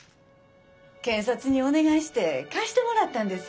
検察にお願いして返してもらったんです。